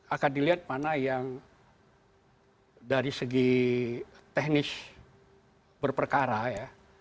akan dilihat mana yang dari segi teknis berperkara ya